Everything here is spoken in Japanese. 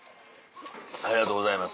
ありがとうございます